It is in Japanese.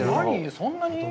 そんなに？